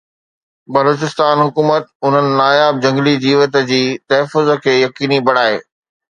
بلوچستان حڪومت انهن ناياب جهنگلي جيوت جي تحفظ کي يقيني بڻائي